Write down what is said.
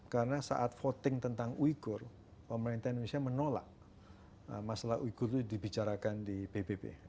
karena saat voting tentang uyghur pemerintahan indonesia menolak masalah uyghur itu dibicarakan di bbb